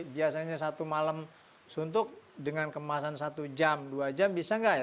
biasanya satu malam suntuk dengan kemasan satu jam dua jam bisa nggak ya